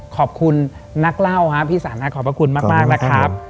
ขอบคุณนักเล่าพี่สันขอบคุณมากนะครับ